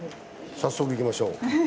早速行きましょう。